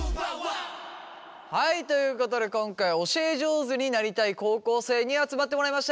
はいということで今回は教え上手になりたい高校生に集まってもらいました。